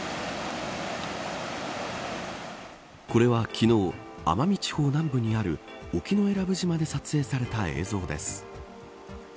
これは昨日奄美地方南部にある沖永良部島で撮影された映像です。